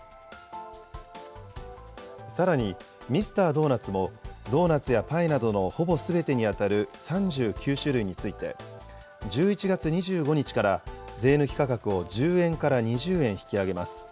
さらにミスタードーナツも、ドーナツやパイなどのほぼすべてに当たる３９種類について、１１月２５日から、税抜き価格を１０円から２０円引き上げます。